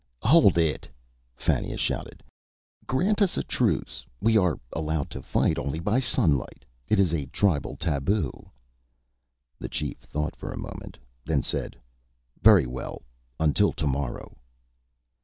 "Hold it!" Fannia shouted. "Grant us a truce. We are allowed to fight only by sunlight. It is a tribal taboo." The chief thought for a moment, then said, "Very well. Until tomorrow."